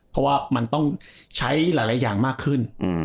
เพราะว่ามันต้องใช้หลายอย่างมากขึ้น